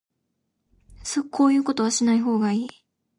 こういうことはしない方がいい